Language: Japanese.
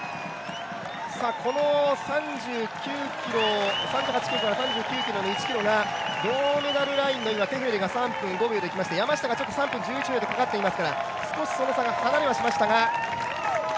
この３８ｋｍから３９ｋｍの１ｋｍが銅メダルラインのテフェリが３分５秒でいきまして山下が３分１１秒とかかっていますから、少しその差が離れはしました